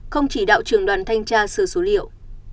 không chỉ đạo trường đoàn thanh tra sửa số liệu